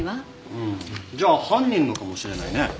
うんじゃあ犯人のかもしれないね。